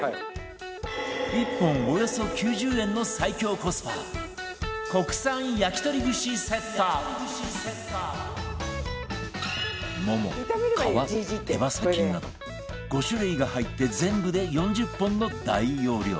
１本およそ９０円の最強コスパもも皮手羽先など５種類が入って全部で４０本の大容量